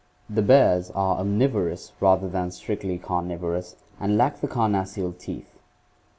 — The bears are omnivorous rather than strictly carnivorous and lack the carnassial teeth.